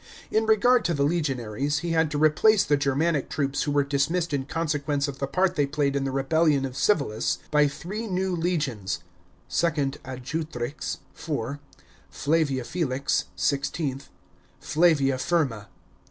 In regard to the lc giouaries, he had to replace the Germanic troops who were dismissed in consequence of the part they plnyed in the rebellion of Civilis, by three new legions (II. Adjutrix, IV. Flavia Felix, XVI. Flavia Firma).